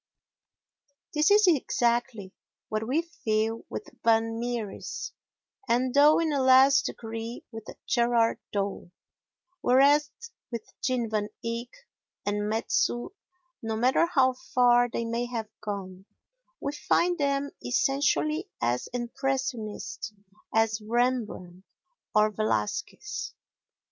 This is exactly what we feel with Van Mieris and, though in a less degree, with Gerard Dow; whereas with Jean Van Eyck and Metsu, no matter how far they may have gone, we find them essentially as impressionist as Rembrandt or Velasquez.